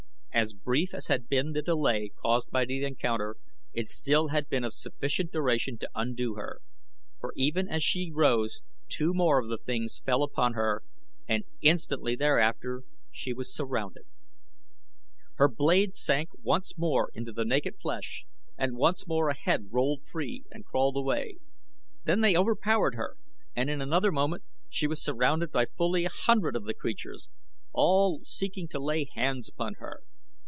As brief as had been the delay caused by the encounter, it still had been of sufficient duration to undo her, for even as she rose two more of the things fell upon her and instantly thereafter she was surrounded. Her blade sank once more into naked flesh and once more a head rolled free and crawled away. Then they overpowered her and in another moment she was surrounded by fully a hundred of the creatures, all seeking to lay hands upon her.